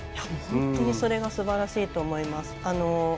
本当にそれがすばらしいと思います。